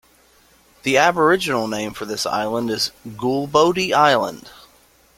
The Aboriginal name for this island is Goolboddi Island.